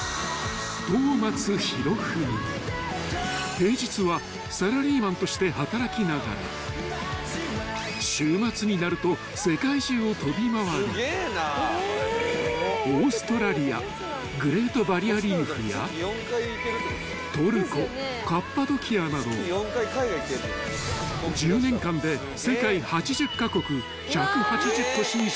［平日はサラリーマンとして働きながら週末になると世界中を飛び回りオーストラリアグレート・バリア・リーフやトルコカッパドキアなど１０年間で世界８０カ国１８０都市以上を訪問］